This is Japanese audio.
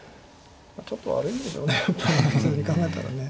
ちょっと悪いでしょうね